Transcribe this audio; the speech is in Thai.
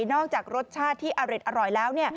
นอกจากรสชาติที่อร่อยแล้ว